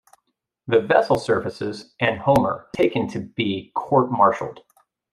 The vessel surfaces and Homer is taken to be court-martialed.